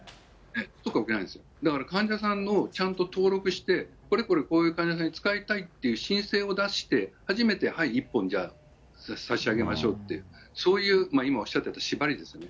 だから、患者さんの、ちゃんと登録して、これこれ、こういう患者さんに使いたいっていう申請を出して、初めて、はい、１本、じゃあ差し上げましょうって、そういう、今おっしゃってた縛りですよね。